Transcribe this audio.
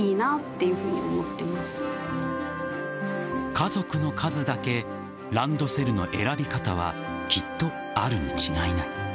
家族の数だけランドセルの選び方はきっとあるに違いない。